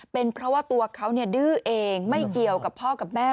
เป็นเพราะว่าตัวเขาดื้อเองไม่เกี่ยวกับพ่อกับแม่